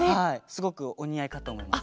すごくおにあいかとおもいます。